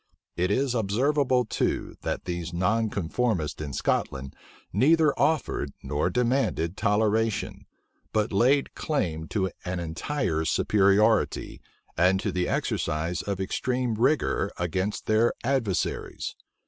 It is observable too, that these nonconformists in Scotland neither offered nor demanded toleration; but laid claim to an entire superiority, and to the exercise of extreme rigor against their adversaries.